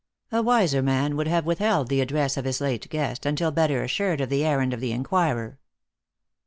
A wiser man would have withheld the address of his late guest until better assured of the errand of the inquirer.